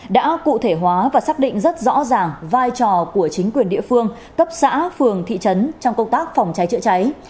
đã cụ thể hóa và xác định rất rõ ràng vai trò của chính quyền địa phương cấp xã phường thị trấn trong công tác phòng cháy chữa cháy